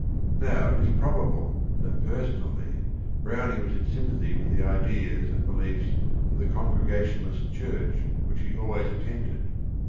Now it is probable that personally Browning was in sympathy with the ideas and beliefs of the Congregationalist Church which he always attended.